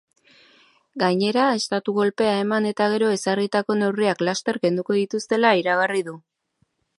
Gainera, estatu-kolpea eman eta gero ezarritako neurriak laster kenduko dituztela iragarri du.